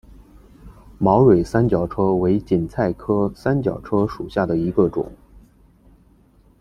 毛蕊三角车为堇菜科三角车属下的一个种。